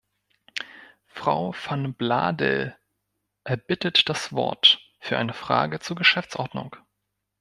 Frau van Bladel erbittet das Wort für eine Frage zur Geschäftsordnung.